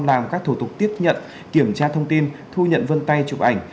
làm các thủ tục tiếp nhận kiểm tra thông tin thu nhận vân tay chụp ảnh